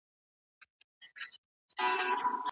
لوستلو ته هڅونه د ورزش سره ګډه وي.